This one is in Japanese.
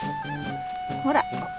ほら！